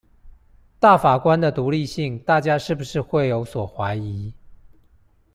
大法官的獨立性大家是不會有所懷疑